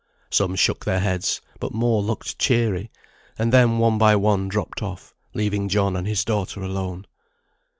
Some shook their heads, but more looked cheery; and then one by one dropped off, leaving John and his daughter alone.